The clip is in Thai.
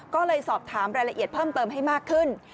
ก็เลยสอบถามรายละเอียดเพิ่มเติมให้มากขึ้น